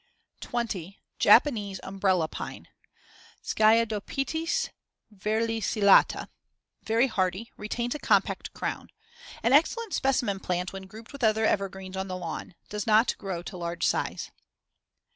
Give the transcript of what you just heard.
20. Japanese umbrella pine (Sciadopitys verlicillata) Very hardy; retains a compact crown. An excellent specimen plant when grouped with other evergreens on the lawn. Does not grow to large size.